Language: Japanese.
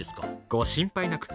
ご心配なく。